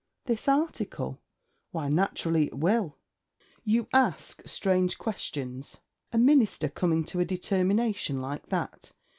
'This article? Why, naturally it will. You ask strange questions. A Minister coming to a determination like that!